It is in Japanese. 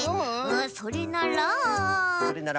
それなら。